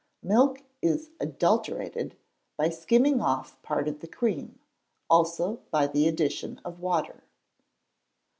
Milk is "adulterated" by skimming off part of the cream, also by the addition of water.